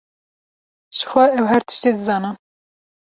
Jixwe ew her tiştî dizanin.